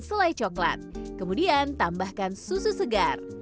selai coklat kemudian tambahkan susu segar